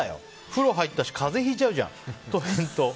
風呂入ったし風邪ひいちゃうじゃんと返答。